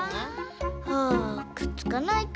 あくっつかないか。